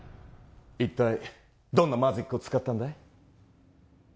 一体どんなマジックを使ったんだい？